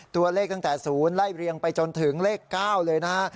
ตัวเลขตั้งแต่ศูนย์ไล่เรียงไปจนถึงเลข๙เลยนะคะ